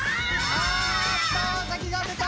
あっとサキが出た！